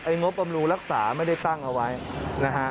งบบำรุงรักษาไม่ได้ตั้งเอาไว้นะฮะ